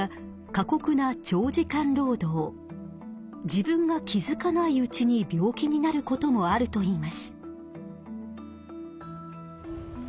自分が気付かないうちに病気になることもあるといいます。